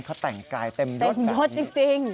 เขาแต่งกายเต็มรสแบบนี้เต็มรสจริง